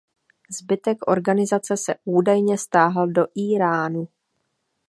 Zbytek organizace se údajně stáhl do Íránu.